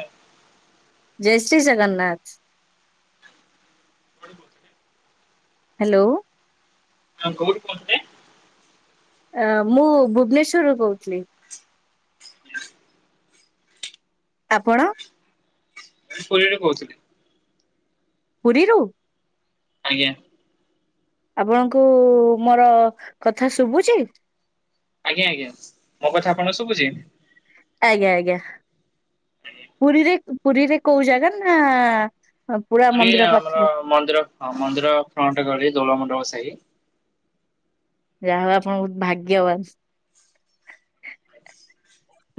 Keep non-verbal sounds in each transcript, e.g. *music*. ଏ ଜୟ ଶ୍ରୀ ଜଗନ୍ନାଥ। ଅଳି କରୁଥିଲେ ହାଲୋ? ହଁ କୋଉଠୁ କୋହୁଥୁଲେ? ଅ ମୁଁ ଭୁବନେଶ୍ଵରରୁୁ କୋହୁଥୁଲି। ଆପଣ? ପୁରୀରୁ କହୁଥିଲି। ପୁରୀରୁ? ଆଜ୍ଞା। ଆପଣଙ୍କୁ ମୋର କଥା ଶୁଭୁଚି? ଆଜ୍ଞା ଆଜ୍ଞା, ମୋ କଥା ଆପଣଙ୍କୁ ଶୁଭୁଚି? ଆଜ୍ଞା ଆଜ୍ଞା ପୁରୀରେ, ପୁରୀରେ କୋଉ ଜାଗା ନା ପୁରା ପୁରୀ ମନ୍ଦିର ଆ-ଆମର ପାଖରେ ମନ୍ଦିର ହଁ ମନ୍ଦିର ଫ୍ରଣ୍ଟ ଗଳି ଦୋଳ ମଣ୍ଡପ ସାହି। ଯାହା ହୋଉ ଆପଣ ବୋହୁତ ଭାଗ୍ୟବାନ୍।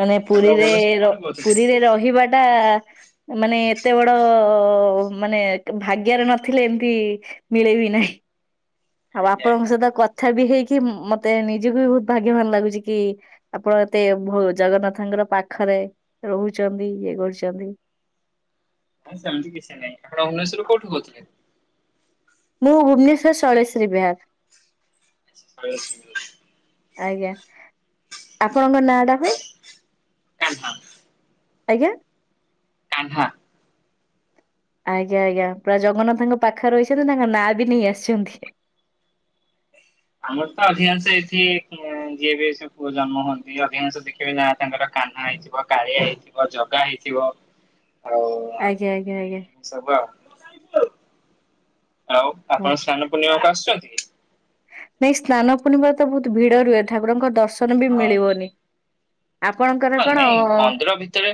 ମାନେ ଆପଣ ପୁରୀରେ ଭୁବନେଶ୍ୱର ଏ କୋଉଠୁ କହୁଥିଲେ? ର-ପୁରୀରେ ରହିବା ଟା ମାନେ ଏତେ ବଡ ମାନେ ଭାଗ୍ୟରେ ନଥିଲେ ଏମତି ମିଳେ ବି ନାହିଁ। ଆଉ ଆପଣଙ୍କ ସହିତ କତ୍ ଥା ବି ହେଇକି ମତେ ନିଜକୁ ବି ବୋହୁତ ଭାଗ୍ୟବାନ ଲାଗୁଚି କି ଆପଣ ଏତେ ଭୋ-ଜଗନ୍ନାଥଙ୍କ ପୁରା ପାଖରେ ରହୁଚନ୍ତି ଇଏ କରୁଚନ୍ତି। ନାଁଇ ସେମତି କିଛି ନାଇଁ ଆପଣ ଉନେଶ୍ଵରରୁ କୋଉଠୁ କହୁଥିଲେ? ମୁଁ ଭୁବନେଶ୍ଵର ଶୈଳେଶ୍ରୀ ବିହାର। ଶ୍ୟଲଶ୍ରି ଆଜ୍ଞା ଆପଣଙ୍କ ନା ଟା ଭାଏ। କାହ୍ନା ଆଜ୍ଞା। କାହ୍ନା। ଆଜ୍ଞା ଆଜ୍ଞା ପୁରା ଜଗନ୍ନାଥଙ୍କ ପାଖରେ ରହିଛନ୍ତି ତାଙ୍କ ନାଁ ବି ନେଇ ଆସିଛନ୍ତି-ହି। *inaudible* ଆମର ତ ଅଧିକାଂଶ ଏଠି-ଇ ଆଁ ଯିଏ ବି ଏଇସେଁ ପୁଅ ଜନ୍ମ ହୁଅନ୍ତି ଅଧିକାଂଶ ଦେଖିବେ ନାଁ ତାଙ୍କର କାହ୍ନା ହେଇଥିବ, କାଳିଆ ହେଇଥିବ, ଜଗା ହେଇଥିବ। ଆଉ ଆଜ୍ଞା ଆଜ୍ଞା ଆଜ୍ଞା। ସବୁ ଆଉ। ଆଉ ଆପଣ ସ୍ନାନ ପୂର୍ଣ୍ଣିମାକୁ ଆସୁଚନ୍ତି? ନାଇ ସ୍ନାନ ପୂର୍ଣ୍ଣିମାରେ ତ ବହୁତ ଭିଡ ରୁହେ ଠାକୁଡଙ୍କ ଦର୍ଶନ ବି ହଁ ମିଳିବନି। ଆପଣଙ୍କର ହଁ କଣ ନାଇଁ ମନ୍ଦିର ଭିତରେ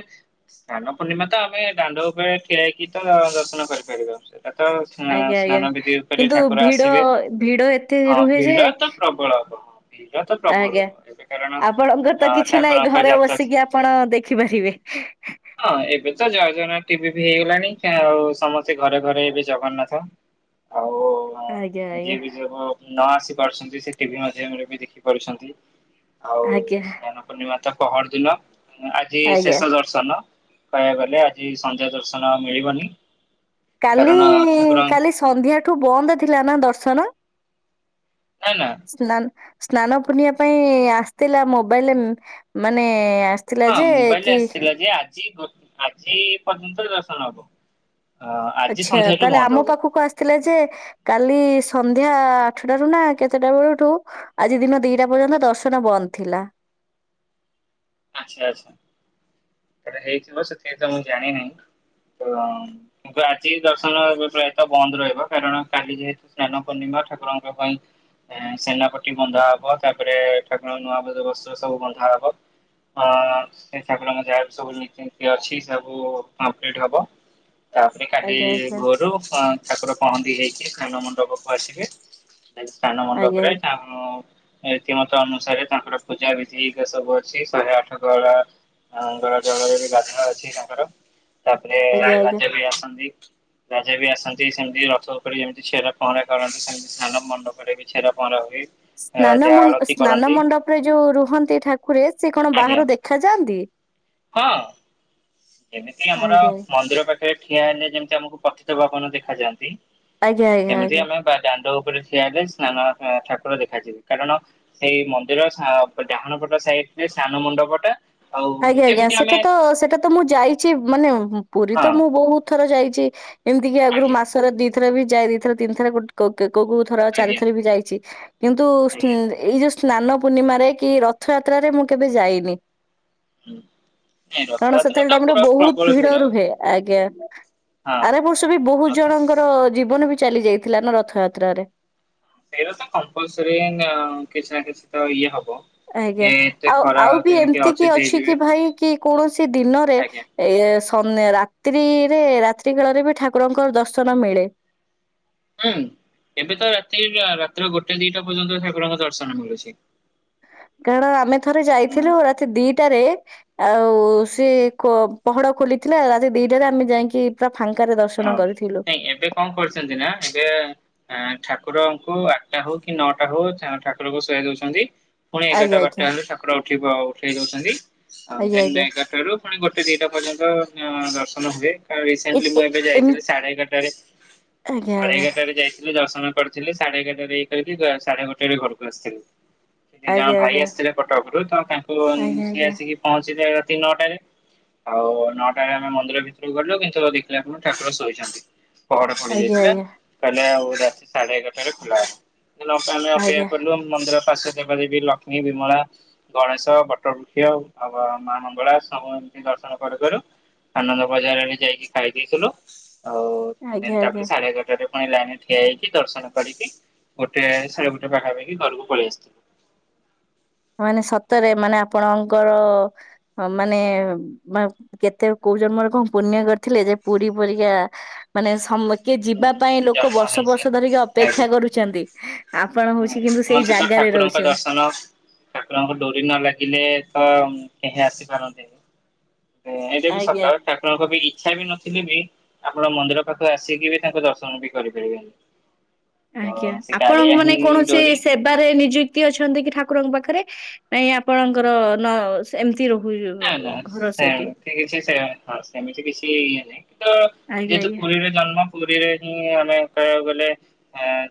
ସ୍ନାନ ପୂର୍ଣ୍ଣିମା ତ ଆମେ ଡାଣ୍ଡ ଉପଳେ ଠିଆ ହେଇକି ତ-ଅ ଦର୍ଶନ କରିପାରିବ ସେ। ପାତ-ଅ ଆଜ୍ଞା ଆଜ୍ଞା। ସ୍ନା-ସ୍ନାନ ବିଧି ଉପରେ କିନ୍ତୁ ଠାକୁର ଭିଡ ଆସିବେ ଭିଡ ଏତେ ହଁ, ରୁହେ ଯେ ଭିଡ ତ ପ୍ରବଳ। ଭିଡ଼ ତ ପ୍ରବଳ ଆଜ୍ଞା ଏବେ କାରଣ ଆପଣଙ୍କର ତ କିଛି ଅ-ଠାକୁର ନାହିଁ ଘରେ ବସିକି ଆପଣ-ଅ ଦେଖିପାରିବେ। ହଁ ଏବେ ତ ଜୟଜଗନା ଟିଭି ବି ହେଇଗଲାଣି ଆଉ ସମସ୍ତେ ଘରେ ଘରେ ଏବେ ଜଗନ୍ନାଥ ଆଉ-ଉଁ ଆଜ୍ଞା ଆଜ୍ଞା ଯିଏ ବି ସବୁ ନ ଆସି ପାରୁଛନ୍ତି ସେ ଟିଭି ମାଧ୍ୟମରେ ବି ଦେଖି ପାରୁଛନ୍ତି। ଆଉ ଆଜ୍ଞା ସ୍ନାନ ପୂର୍ଣ୍ଣିମା ତ ପହରଦିନ ଆଜି ଆଜ୍ଞା। ଶେଷ ଦର୍ଶନ। କହିଆକୁ ଗଲେ ଆଜି ସନ୍ଧ୍ୟା ଦର୍ଶନ ଆଉ ମିଳିବନି। କାଲି କାରଣ ଠାକୁର କାଲି ସନ୍ଧ୍ୟା ଠୁ ବନ୍ଦ ଥିଲା ନା ଦର୍ଶନ? ନା ନା ସ୍ନାନ ସ୍ନାନ ପୁନିବା ପାଇଁ ଆସିଥିଲା ମୋବାଇଲରେ ମାନେ ଆସିଥିଲା ହଁ ଯେ ମୋବାଇଲରେ କି ଆସିଥିଲା ଯେ ଆଜି ଆଜି ପର୍ଯ୍ୟନ୍ତ ଦର୍ଶନ ହବ ଅ ଆଜି ଆଛା ସନ୍ଧ୍ୟାଠୁ ତାହେଲେ ବନ୍ଦ ଆମ ହବ ପାଖକୁ ଆସିଥିଲା ଯେ କାଲି ସନ୍ଧ୍ୟା ଆଠଟାରୁ ନା କେତେଟା ବେଳଠୁ ଆଜି ଦିନ ଦିଟା ପର୍ଯ୍ୟନ୍ତ ଦର୍ଶନ ବନ୍ଦ ଥିଲା। *inaudible* ଆଚ୍ଛା ଆଛା ସେଟା ହେଇଥିବ ସେଥି ତ ମୁଁ ଜାଣି ନାହିଁ ତ କିନ୍ତୁ ଆଜି ଦର୍ଶନ ପ୍ରାୟତଃ ବନ୍ଦ ରହିବ କାରଣ କାଲି ଯେହେତୁ ସ୍ନାନ ପୂର୍ଣ୍ଣିମା ଠାକୁରଙ୍କ ପାଇଁ ସେନାପଟି ବନ୍ଧା ହବ ତାପରେ ଠାକୁରଙ୍କ ନୂଆ ବ ବସ୍ତ୍ର ସବୁ ବନ୍ଧା ହବ ଅ ଠାକୁର ଙ୍କ ଯାହା ରୀତିନୀତି ଅଛି ସବୁ କମ୍ପ୍ଲିଟ ହେବ। ତାପରେ କାଲି ଆଜ୍ଞା ଆଜ୍ଞା ଭୋରୁ ପ ଠାକୁର ପହଣ୍ଡି ହେଇକି ସ୍ନାନ ମଣ୍ଡପକୁ ଆସିବେ ସ୍ଥାନ ଆଜ୍ଞା ମଣ୍ଡପରେ ଛାମୁ ରିତିମତ ଅନୁସାରେ ତାଙ୍କର ପୂଜା ବିଧି ସବୁ ଅଛି ଶହେ ଆଠ ଗରା ଗରା ଜଳରେ ବି ଗାଧ ଅଛି ତାଙ୍କର ତାପରେ ରା ଆଜ୍ଞା ଆଜ୍ଞା। ରାଜା ବି ଆସନ୍ତି। ରାଜା ବି ଆସନ୍ତି ସେମିତି ରଥ ଉପରେ ଯେମିତି ଛେରା ପହଁରା କରନ୍ତି ସେମିତି ସ୍ନାନ ମଣ୍ଡପ ବି ଛେରା ପହଁରା ହୁଏ ସ୍ନାନ ରାଜା ଆଳତି ସ୍ନାନ କରନ୍ତି ମଣ୍ଡପରେ ଯୋଉ ରୁହନ୍ତି ଠାକୁର ସେ କଣ ଆଜ୍ଞା ବାହାରୁ ଦେଖାଯାନ୍ତି? ଦି ହଁ ଯେମିତି ଆମର ଆଜ୍ଞା। ମନ୍ଦିର ପାଖରେ ଠିଆ ହେଲେ ଯେମତି ଆମକୁ ପତିତ ପାବନ ଦେଖାଯାଆନ୍ତି ଆଜ୍ଞା ଆଜ୍ଞା ସେମିତି ଆଜ୍ଞା। ଆମେ ବା ଦାଣ୍ଡ ରେ ଠିଆହେବେ ସ୍ନାନ ଠାକୁର ଦେଖାଯିବେ କାରଣ ସେଇ ମନ୍ଦିର ଡାହାଣପଟ ସାଇଟ ସିଏ ସ୍ନାନ ମଣ୍ଡପଟା ଆଜ୍ଞା ଆଜ୍ଞା ସେଟା ତ ସେଇଟା ତ ମୁଁ ଯାଇଛି ମାନେ ପୁରୀ ହଁ ତ ମୁଁ ବହୁତ ଥର ଯାଇଛି ଏମିତିକ ଆଗରୁ ଆଜ୍ଞା ମାସର ଦି ଥର ବି ଯାଇ ଦିଥର ତିନି ଥରେ ଗୋଟେ କୋଉ କୋଉ ଥର ଆଜ୍ଞା ଚାରିଥର ବି ଯାଇଛି କିନ୍ତୁ ସ୍ନୁ ଆଜ୍ଞା ଏଇ ଯୋଉ ସ୍ନାନ ପୂର୍ଣ୍ଣିମାରେ କି ରଥଯାତ୍ରାରେ ମୁଁ କେବେ ଯାଇନି। ହୁଁ। ନାଇଁ କାରଣ ରଥଯାତ୍ରା ସେତେବେଳେ ତ ଟାଇମ୍ ରେ ପୁରା ବହୁତ୍ ପ୍ରବଳ ଭିଡ ହୁଏ ରୁହେ ଆଜ୍ଞା। ହଁ ଆରବର୍ଷ ବି ବହୁତ୍ ରଥ ଜଣଙ୍କର ଜୀବନ ବି ଚାଲି ଯାଇଥିଲା ନା ରଥଯାତ୍ରାରେ। ଏଇଟା ତ କମ୍ପଲସରି କିଛି ନା କିଛି ତ ଇଏ ହ ଆଜ୍ଞା ଆଉ ଆଉ ବି କିଏ ଏମିତି କି ଅଚେତ ଅଛି ହେଇଯିବେ କି ଭାଇ କି କୌଣସି ଦିନରେ ଆଜ୍ଞା। ଏ ରାତ୍ରିରେ ରାତ୍ରି କାଳରେ ବି ଠାକୁରଙ୍କର ଦର୍ଶନ ମିଳେ। ହୁଁ। ଏବେ ତ ରାତି ରାତି ଗୋଟେ ଦିଟା ପର୍ଯ୍ୟନ୍ତ ଠାକୁରଙ୍କ ଦର୍ଶନ ମିଳୁଛି। କାରଣ ଆମେ ଥରେ ହଁ ଯାଇଥିଲୁ ରାତି ଦିଟାରେ ଆଉ ସେ ପହଡ ଖୋଲିଥିଲା ରାତି ଦିଟାରେ ଆମେ ଯାଇକି ଫାଙ୍କାରେ ହଁ ଦର୍ଶନ କରିଥିଲୁ। ନାଇଁ ଏବେ କଣ କରିଛନ୍ତି ନା ଏବେ ଠାକୁ ଠାକୁରଙ୍କୁ ଆଠଟା ହଉ କି ନଅଟା ହଉ ଠାକୁରଙ୍କୁ ଶୁଆଇ ଦଉଛନ୍ତି। ପୁଣି ଏଗାରଟା ଆଜ୍ଞା ବାରଟା ଆଜ୍ଞା ହେଲେ ଠାକୁରଙ୍କୁ ଉଠେଇ ଦଉଛନ୍ତି ଆଜ୍ଞା ଦେନ୍ ଆଜ୍ଞା ଏଗାରଟାରୁ ପୁଣି ଗୋଟେ ଦିଟା ପର୍ଯ୍ୟନ୍ତ ଦର୍ଶନ ହୁଏ କାରଣ ଏ ରିସେଣ୍ଟଲି ଏ ମୁଁ ଏବେ ଏମି ଯାଇଥିଲି ସାଢେ ଏଗାରଟାରେ ଆଜ୍ଞା ସାଢେ ଏଗାରଟାରେ ଯାଇଥିଲୁ। ଦର୍ଶନ କରିଥିଲି ସାଢେ ଏଗାରଟାରେ ସାଢେ ଗୋଟେରେ ଘରକୁ ଆସିଥିଲି। ସେଠି ଜଣ ଆଜ୍ଞା ଭାଇ ଆଜ୍ଞା ଆସିଥିଲେ କଟକରୁ ତ ତାଙ୍କୁ ଆଜ୍ଞା ସିଏ ଆଜ୍ଞା ଆସିକି ପହଞ୍ଚିଲେ। ରାତି ନଅଟାରେ ଆଉ ନଅଟାରେ ଆମେ ମନ୍ଦିର ଭିତରକୁ ଗଲୁ କିନ୍ତୁ ଆପଣ ଠାକୁର ଶୋଇଛନ୍ତି ପହଡ ପଡ଼ି ଆଜ୍ଞା ଆଜ୍ଞା ଯାଇଥିଲା କହିଲେ ଆଉ ରାତି ସାଢେ ଏଗାରଟାରେ ଖୋଲାହେବ ଆମେ ଆଜ୍ଞା ଅପେକ୍ଷା ଆଜ୍ଞା କଲୁ ମନ୍ଦିର ପାର୍ଶ୍ୱ ଦେବାଦେବୀ ଲକ୍ଷ୍ମୀ, ବିମଳା, ଗଣେଶ, ବଟବୃକ୍ଷ ଆଉ ମା ମଙ୍ଗଳା ସବୁ ଦର୍ଶନ କରୁ କରୁ ଆନନ୍ଦ ବଜାରରେ ଯାଇକି ଖାଇ ଦେଇଥିଲୁ ଆଉ ଆଜ୍ଞା ଆଜ୍ଞା। ତାପ ସାଢେ ଏଗାରଟାରେ ପୁଣି ଲାଇନ ଠିଆ ହେଇକି ଦର୍ଶନ କରିକି ଗୋଟେ ସାଢେ ଗୋଟେ ପାଖାପାଖି ଘରକୁ ପଳେଇ ଆସିଥିଲୁ। ମାନେ ସତରେ ମାନେ ଆପଣଙ୍କର ମାନେ ମା କେତେ କୋ କୋଉ ଜନ୍ମରେ କଣ ପୁଣ୍ୟ କରିଥିଲେ ଯେ ପୁରୀ ପରିକା ମାନେ ସମୁ କିଏ ଯିବା ପାଇଁ ଲୋକ ଜନ୍ମ ବର୍ଷ ହେଇଛି ବର୍ଷ ଧରିକି ଆଜ୍ଞା ଅପେକ୍ଷା କରୁଛନ୍ତି ଆ ପଣ ହଉଛି କିନ୍ତୁ ସେଇ କୁହନ୍ତି ତ ଜାଗାରେ ଠାକୁରଙ୍କ ରହୁଛନ୍ତି। ଦର୍ଶନ ଠାକୁରଙ୍କ ଡୋରି ନ ଲାଗିଲେ ତ କେହି ଆସିପାରନ୍ତିନି। ଏଁ ଏଇଟା ବି ଆଜ୍ଞା। ସତ ଠାକୁରଙ୍କ ବି ଇଚ୍ଛା ବି ନଥିଲେ ବି ଆପଣ ମନ୍ଦିର ପାଖକୁ ଆସିକି ବି ତାଙ୍କୁ ଦର୍ଶନ ବି କରିପାରିବେନି। ଆଜ୍ଞା ତ ସେ ଆପଣଙ୍କ କାଳିଆ ମାନେ ହିଁ କୌଣସି ଡୋରି ସେବାରେ ନିଯୁକ୍ତି ଅଛନ୍ତି କି ଠାକୁରଙ୍କ ପାଖରେ। ନାଇଁ ଆପଣଙ୍କର ନ ସେମତି ନା ନା ସେମତି କିଛି ସେ ହଁ ସେମିତି କିଛି ଇଏ ନାହିଁ ତ ଆଜ୍ଞା ଯେହେତୁ ଆଜ୍ଞା। ପୁରୀ ରେ ଜନ୍ମ। ପୁରୀରେ ହିଁ ଆମେ କହିବାକୁ ଗଲେ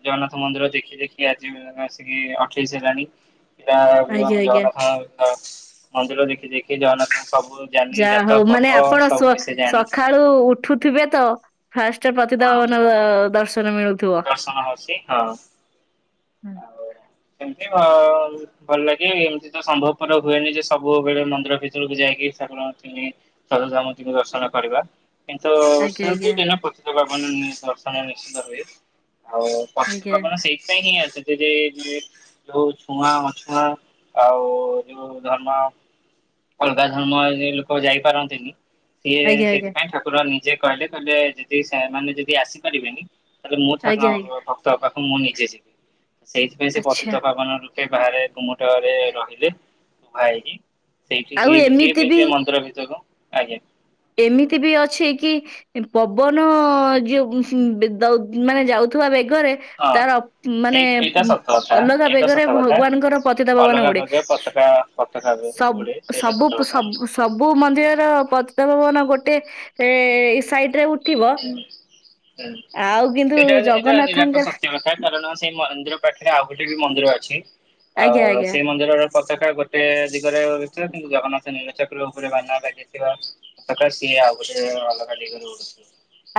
ଜଗନ୍ନାଥ ମନ୍ଦିର ଦେଖି ଦେଖି ଆଜି ଆସିକି ଆ ଅଠେଇଶି ହେଲାଣି ସେଟା ଆଜ୍ଞା ଆମେ ଆଜ୍ଞା ଜଗନ୍ନାଥଙ୍କ ମନ୍ଦିର ଦେଖି ଦେଖି ଜଗନ୍ନାଥ ଯାହା ହଉ ମାନେ ଆପଣ ସୋ ବିଷୟ ଜାଣି ସକାଳୁ ଉଠୁଥିବେ ତ ଫାଷ୍ଟ୍ ପତିତ ହଁ ପାବନ ଦର୍ଶ ଦର୍ଶନ ହଉଛି ହଁ ଆଉ ସେମତି ଭ ଭଲ ଲାଗେ ଏମିତି ତ ସମ୍ଭବ ପରବ ହୁଏନି ଯେ ସବୁବେଳେ ମନ୍ଦିର ଭିତରକୁ ଯାଇକି ଠାକୁରଙ୍କୁ *unintelligible* ସରଧାମତିଙ୍କୁ ଦର୍ଶନ କରିବା। କିନ୍ତୁ ଆଜ୍ଞା ସବୁ ଆଜ୍ଞା ଦିନ ପତିତ ପାବନ ଦର୍ଶନ ନିଶ୍ଚିତ ହୁଏ। ଆଉ ପତିତ ଆଜ୍ଞା ପାବନ ସେଇଥିପାଇଁ ହିଁ ଆସେ। ସେଇଠି ଯୋଉ ଛୁଆଁ ଅଛୁଆଁ ଆଉ ଯୋଉ ଧର୍ମ ଅଲଗା ଧର୍ମ ଯେ ଲୋକ ଯାଇପାରନ୍ତିନି। ସିଏ ଆଜ୍ଞା ଆଜ୍ଞା ସେଥିପାଇଁ ଠାକୁର ନିଜେ କହିଲେ କହିଲେ ଯଦି ସେମାନେ ଯଦି ଆସିପାରିବେନି ତାହେଲେ ମୁଁ ଆଜ୍ଞା ଆଜ୍ଞା ଠାକୁରଙ୍କ ଭକ୍ତ ହେବାକୁ ମୁଁ ନିଜେ ଯିବି ସେଇଥିପାଇଁ ସେ ଆଚ୍ଛା ପତିତ ପାବନ ସେ ବାହାରେ ଗୁମଟରେ ରହିଲେ ମୁଁ ଆଇଲି। ସେଇଠି ଆଉ ସିଏ ବି ଯିଏ ଏମିତି ବି ସେ ମନ୍ଦିର ଭିତରୁ ଆଜ୍ଞା। ଏମିତି ବି ଅଛି କି ପବନ ଯେଉ ବି ଦ ଉ ମାନେ ଯାଉଥିବା ବେ ବର୍ଗରେ ହଁ ତାର ମାନେ ସେଇ ଏଇଟା ସତ କଥା ଅଲଗା ଏଇଟା ବେଗରେ ସତ କଥା ଭଗବାନଙ୍କର ପତିତା ଭାବାନ ଅଲଗା ଉଡେ। ପ୍ରକାର ପତାକା ପତାକା ତ ଉଡେ ସ ସେଇଟା ସବୁ ସତ ସ କଥା। ସବୁ ମନ୍ଦିରର ପତିତ ଭୁବନ ଗୋଟେ ଏ ସାଇଡ ରେ ଉ ହୁଁ ହୁଁ କିନ୍ତୁ ଏଟା ଏଟା ନିରାଟ ଜଗନ୍ନାଥଙ୍କର ସତ୍ୟ କଥା କାରଣ ସେଇ ମ ନ୍ଦିର ପାଖରେ ଆଉ ଗୋଟେ ବି ମନ୍ଦିର ଅଛି। ଆଜ୍ଞା ଆଉ ଆଜ୍ଞା। ସେଇ ମନ୍ଦିରର ପତାକା ଗୋଟେ ଦିଗରେ ରହିଥିଲା କିନ୍ତୁ ଜଗନ୍ନାଥଙ୍କ ନୀଳଚ କ୍ରଉପରେ ବାନା ଲାଗିଥିବା ଶାକା ସିଏ ଆଉ ଗୋଟେ ଅଲଗା ଦିଗରେ ଉଡୁଛି।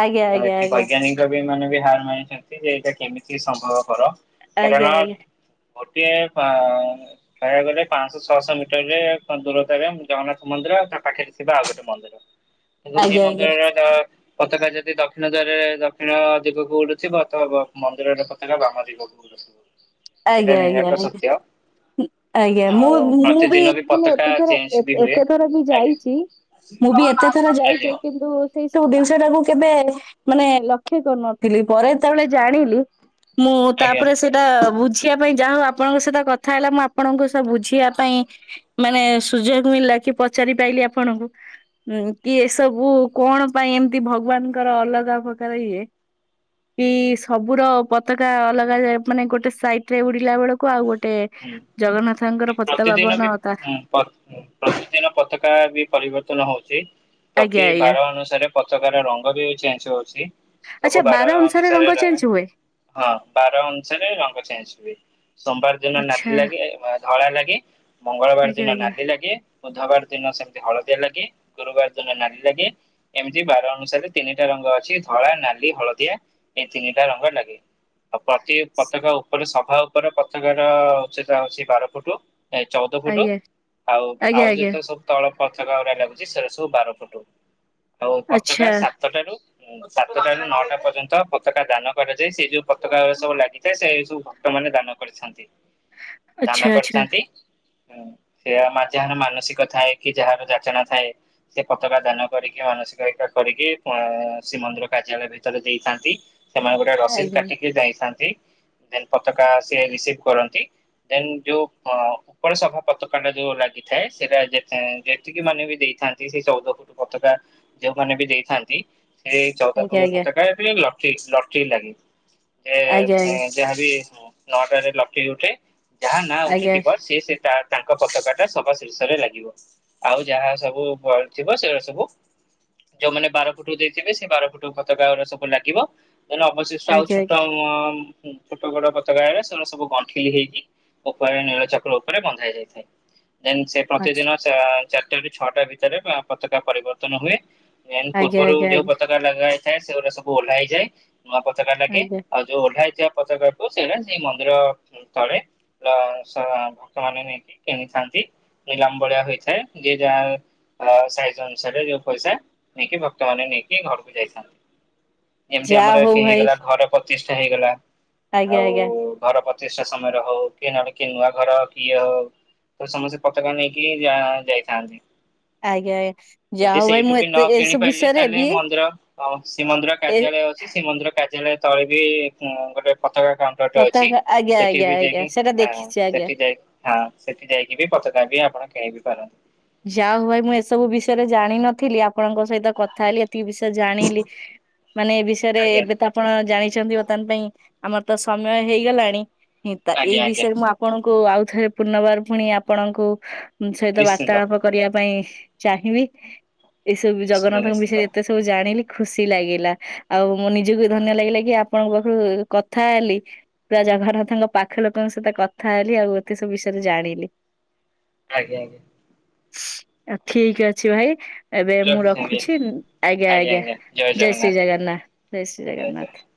ଆଜ୍ଞା ତ ଆଜ୍ଞା ଏଠି ଆଜ୍ଞା ବୈଜ୍ଞାନିକ ବି ମାନେ ବି ହାର ମାନିଛନ୍ତି ଯେ ଏଇଟା କେମିତି ସମ୍ଭବପର। କାରଣ ଆଜ୍ଞା ଆଜ୍ଞା। ଗୋଟିଏ ପା କହିବାକୁ ଗଲେ ପାଞ୍ଚଶହ ଛଅଶହ ମିଟର ରେ ଦୂରତାରେ ଜଗନ୍ନାଥ ମନ୍ଦିର ର ତା ପାଖରେ ଥିବା ଆଉ ଗୋଟେ ମନ୍ଦିର କିନ୍ତୁ ସେଇ ଆଜ୍ଞା ଆଜ୍ଞା ମନ୍ଦିରର ତ ପତାକା ଯଦି ଦକ୍ଷିଣ ଦିଗରେ ଦକ୍ଷିଣ ଦିଗକୁ ଉଡ଼ୁଥିବ ତ ବ ମନ୍ଦିରର ପତାକା ବାମ ଦିଗକୁ ଉଡ଼ୁଥିବ। ଆଜ୍ଞା ଆଜ୍ଞା ଆଜ୍ଞା। ଆଜ୍ଞା ମୁଁ ଆଉ ମୁଁ ବି ପ୍ରତିଦିନ ମାନେ ପତାକା ଏତେ ଥର ଚେଞ୍ଜ ବି ହୁଏ। ଏତେ ଥର ବି ଆଜ୍ଞା ଯାଇଚି ମୁଁ ବି ଏତେ ଥର ଯାଇଚି ଆଜ୍ଞା ଯେ କିନ୍ତୁ ସେଇ ସବୁ ଜିନିଷ ଟାକୁ କେବେ ମାନେ ଲକ୍ଷ୍ୟ କରୁନଥିଲି। ପରେ ଯେତେବେଳେ ଜାଣିଲି ମୁଁ ଆଜ୍ଞା ତାପରେ ସେଇଟା ବୁ ଯାହା ହଉ ଆପଣଙ୍କ ସହିତ କଥା ହେଲା ମୁଁ ଆପଣଙ୍କ ସହ ବୁଝିବା ପାଇଁ ମାନେ ସୁଯୋଗ ମିଳିଲା କି ପଚାରି ପାଇଲିି ଆପଣଙ୍କୁ କି ଏସବୁ କଣ ପାଇଁ ଏମତି ଭଗବା ନଙ୍କର ଅଲଗା ପ୍ରକାର ଇଏ ବି ସବୁର ପତାକା ଅଲଗା ଯା ମାନେ ଗୋଟେ ସାଇଟ ରେ ଉଡିଲା ବେଳକୁ ଆଉ ଗୋ ଟେ ହୁଁ। ଜଗନ୍ନା ପ୍ରତିଦିନ ବି ପ୍ରତିଦିନ ପତାକା ବି ପରିବର୍ତ୍ତନ ହୋଉଛି। ଆଜ୍ଞା ପ୍ରତି ଆଜ୍ଞା ବାର ଅନୁସାରେ ପତାକାର ରଙ୍ଗ ବି ଚେଞ୍ଜ ହୋଉଛି। ସବୁ ଆଚ୍ଛା ବାର ଅନୁସାରେ ରଙ୍ଗ ଚେଞ୍ଜ ହୁଏ। ହଁ ବାର ଅନୁସାରେ ରଙ୍ଗ ଚେଞ୍ଜ ହୁଏ। ସୋମବାର ଦିନ ଆଚ୍ଛା ନାଲି ଲାଗେ ଧଳା ଲାଗେ ମଙ୍ଗଳବାର ଆଜ୍ଞା ଦିନ ଆଜ୍ଞା ନାଲି ଲାଗେ ବୁଧବାର ଦିନ ସେମିତି ହଳଦିଆ ଲାଗେ ଗୁରୁବାର ଦିନ ନାଲି ଲାଗେ ଏମିତି ବାର ଅନୁସାରେ ତିନିଟା ରଙ୍ଗ ଅଛି ଧଳା ନାଲି ହଳଦିଆ ଏଇ ତିନିଟା ରଙ୍ଗ ଲାଗେ ଆଉ ପ୍ରତି ପତାକା ଉପରେ ସଭା ଉପରେ ପତାକା ଉ ହଉଛି ବାର ଫୁଟ ଚଉଦ ଫୁଟ ଆଜ୍ଞା ଆଉ ଆଉ ଆଜ୍ଞା ଯେତେ ସବୁ ତଳ ପତାକା ଗଡା ଲାଗୁଛି ସେଟା ସବୁ ବାର ଫୁଟ। ଆଉ ପତାକା ଆଜ୍ଞା ସାତଟାରୁ ହୁଁ ସାତଟା ର ନଅଟା ପର୍ଯ୍ୟନ୍ତ ପତାକା ଦାନ କରାଯାଏ ସେଇ ଯୋଉ ପତାକା ସବୁ ଲାଗିଥାଏ ସେଇ ସବୁ ଭକ୍ତମାନେ ଦାନ କରି ଦାନା କରିଥାନ୍ତି। ଢ ସେ ଯାହାର ମାନସିକ ଥାଏ କି ଯାହାର ଯାଚନା ଥାଏ ସେ ପତାକା ଦାନ କରିକି ମାନସିକ ଏକା କରିକି ଶ୍ରୀମନ୍ଦିର କାର୍ଯ୍ୟାଳୟ ଭିତରେ ଦେଇଥାନ୍ତି। ସେମାନେ ଗୋଟେ ରସିଦ ଆଜ୍ଞା କାଟିକି ଯାଇଥାନ୍ତି ଦେନ ପତାକା ସିଏ ରିସିଭ କରନ୍ତି। ଦେନ ଯୋଉ ଉପର ସଫା ପତକାଣ୍ଡା ଯୋଉ ଲାଗିଥାଏ ସେଇଟା ଯେ ଯେତିକି ମାନେ ବି ଦେଇ ଥାନ୍ତି ସେଇ ଚଉଦ ଫୁଟ ପତାକା ଯୋଉମାନେ ବି ଦେଇଥାନ୍ତି। ଏଇ ଚଉଦ ଆଜ୍ଞା ପନ୍ଦ ଆଜ୍ଞା ପତାକା ଲାତ୍ରିକଶ୍ ଲଟ୍ରି ଲାଗେ। ଏ ଆଜ୍ଞା ଯାହାବି ନଅଟାରେ ଲଟ୍ରି ଉଠେ ଯାହା ନାଁ ଆଜ୍ଞା ଉଠିିଥିବ ବ ସିଏ ସେ ତା ତାଙ୍କ ପତାକା ଟା ସବ ଶୀର୍ଷରେ ଲାଗିବ ଆଉ ଯାହା ସବୁ ବଳିଥିବ ସେଇଉଡା ସବୁ ଯୋଉମାନେ ବାର ଫୁଟ ଦେଇଥିବେ ସେ ବା ପୁଟୁ ପତକାଉଡା ସବୁ ଲାଗିବ। ନହଲେ ଅବଶିଷ୍ଟ ଆଉ ଆଜ୍ଞା ଛୋଟ ଛୋଟ ବଡ ଆଁ ସେ ସବୁ ଗଣ୍ଠିଲି ହେଇକି ଉପରେ ନୀଳଚକ୍ର ଉପରେ ବନ୍ଧା ଯାଇଥାଏ। ଦେନ୍ ସେ ପ୍ରତିଦିନ ଚାରିଟ ରୁ ଛଅଟା ଭିତରେ ପତାକା ପରିବର୍ତ୍ତନ ହୁଏ। ମ ଆଜ୍ଞା ଆଜ୍ଞା ଆଚ୍ଛା ପୂର୍ବରୁ ଆଜ୍ଞା ଆଜ୍ଞା ଯୋଉ ପତାକା ଲଗା ହେଇଥାଏ ସେଗୁଡା ସବୁ ଓହ୍ଲା ହେଇଯାଏ। ନୂଆ ପତକା ଲାଗେ ଆଜ୍ଞା ଆଜ୍ଞା ଆଉ ଯୋଉ ଓଲା ହେଇିବା ପତ କାକୁୁ ସେଇଟା ସେଇ ମନ୍ଦିର ତଥରେ ଭକ୍ତ ମାନ ନେଇକି କିଣିଥାନ୍ତି ନିଲାମ ଭଳିଆ ହୋଇଥାଏ ଯ ଯାହା ସାାଇଜ ଅନୁସାରେ ଯୋଉ ପଇସା ନେଇକି ଭକ୍ତ ମାନ ନେଇକି ଘରକୁ ଯାଇଥାନ୍ତି। ଏମିତି ଯାହା ଆମର ହଉ କି ଭାଇ ହେଇଗଲା ଘର ପ୍ରତିଷ୍ଠା ହେଇଗଲା। ଆଜ୍ଞା ଆଜ୍ଞା। ଯଥେଷ୍ଟ ସମୟରେ ହଉ କିଏ ନହେଲେ କିଏ ନୂଆ ଘର କିଏ ହଉ ତ ସମସ୍ତେ ପତାକା ନେଇକି ଯ ଯାଇଥାନ୍ତି। ଆଜ୍ଞା ଆଜ୍ଞା ଯଦି ଯାହା ହଉ ଭାଇ ସେଇଠୁ ମୁଁ ବି ନ ଏତେ କିଣି ଏସବୁ ପାରିଲେ ବିଷୟରେ ତାହେଲେ ବି ମନ୍ଦିର ଶ୍ରୀମନ୍ଦିର ଏ କାର୍ଯ୍ୟା ଅ ଶ୍ରୀମନ୍ଦିର କାର୍ଯ୍ୟାଳୟ ତଳେ ବି ଗୋଟେ ପତାକା କାଉଣ୍ଟର ଅଛି ପତାକା ଆଜ୍ଞା ସେଠି ଆଜ୍ଞା ବି ଆଜ୍ଞା ଯାଇକି ସେଟା ଦେଖିଛି ଆଜ୍ଞା। ସେଠି ଯାଇି ହଁ ସେଠି ଯାଇକି ବି ପତକାବି ଆପଣ କିଣି କ ଯା ହ ଭାଇ ମୁଁ ଏସବୁ ବିଷୟରେ ଜାଣିନଥିଲି ଆପଣଙ୍କ ସହିତ କଥା ହେଲି ବିଷୟ ଜାଣିଲି ମାନେ ଏ ବିଷୟରେ ଆଜ୍ଞା ଏବେ ତ ଆପଣ ଜାଣି ବର୍ତ୍ତମାନ ପାଇଁ ଆମର ତ ସମୟ ହେଇଗଲାଣି ତ ଏଇ ଆଜ୍ଞା ଆଜ୍ଞା ବିଷୟରେ ମୁଁ ଆପଣଙ୍କୁ ଆଉ ଥରେ ପୁନର୍ବାର ପୁଣି ଆପଣଙ୍କୁ ସହିତ ନିଶ୍ଚିନ୍ତ ବାର୍ତ୍ତାଳାପ କରିବା ପାଇଁ ଚାହିଁବି ଏଇସବୁ ନିଶ୍ଚିନ୍ତ ଜଗନ୍ନାଥଙ୍କ ନିଶ୍ଚିନ୍ତ। ବିଷୟରେ ଏତେ ସବୁ ଜାଣିଲି। ଖୁସି ଲାଗିଲା ଆଉ ମୁଁ ନିଜକୁ ଧନ୍ୟ ଲାଗିଲା କି ଆପଣଙ୍କ କଥା ହେଲି ପୁରା ଜଗନ୍ନାଥଙ୍କ ପାଖ ଲୋକଙ୍କ ସହିତ କଥା ହେଲି ଆଉ ଏତେ ସବୁ ବିଷୟରେ ଜାଣିଲି। ଆ୍ଞ ଆଞ। ଠିକ ଅଛି ଭାଇ ଏବେ ମୁଁ ରଖୁଛି ଆଜ୍ଞା ଆଜ୍ଞା ଜୟ ଶ୍ରୀ ଜଗନ୍ନାଥ ଜୟ ଶ୍ରୀ ଜଗନ୍ନାଥ।